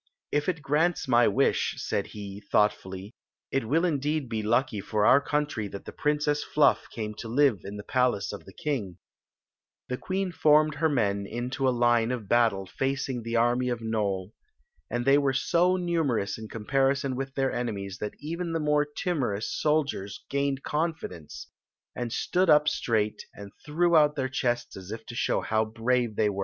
"If it grants my wish," said he, thoughtfully, "it will indeed be lucky for our country that the Princess Fluff came to Um 'mlht psikxe of the king " mm ^Meen f<M mcd' her men into a line of battle ^ing the army of Nole, and they were so numerous m comparison wkh their enemies that even the more iimom^ sr iHiers p^ned confidence, and ^ood up strai^ mt4 iMUr 0^ their chests as if to show how ln^e Aey wm^.